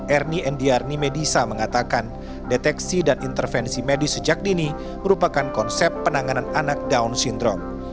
ernie endiarni medisa mengatakan deteksi dan intervensi medis sejak dini merupakan konsep penanganan anak down syndrome